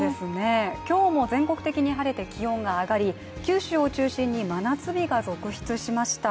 今日も全国的に晴れて気温が上がり、九州を中心に真夏日が続出しました。